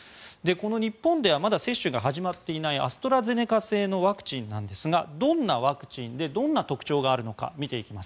日本ではまだ接種が始まっていないアストラゼネカ製のワクチンなんですがどんなワクチンでどんな特徴があるのか見ていきます。